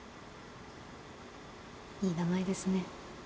いい名前ですね。